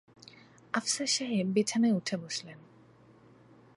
আফসার সাহেব বিছানায় উঠে বসলেন।